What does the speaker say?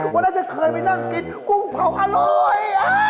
ว่าน่าจะเคยไปนั่งกินกุ้งเผาอร่อย